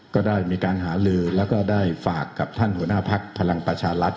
ก็ได้มีการหาลือแล้วก็ได้ฝากกับท่านหัวหน้าพักพลังประชารัฐ